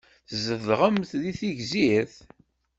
Tzedɣemt deg Tegzirt?